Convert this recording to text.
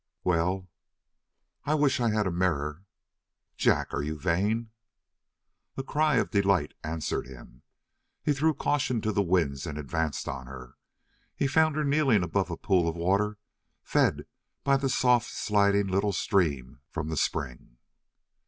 "Well?" "I wish I had a m m m mirror." "Jack, are you vain?" A cry of delight answered him. He threw caution to the winds and advanced on her. He found her kneeling above a pool of water fed by the soft sliding little stream from the spring.